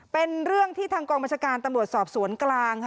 เป็นเรื่องที่ทางกองบัญชาการตำรวจสอบสวนกลางค่ะ